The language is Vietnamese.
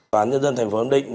tòa án nhân dân thành phố nam định